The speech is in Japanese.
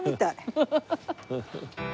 ハハハハ。